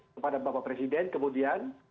kepada bapak presiden kemudian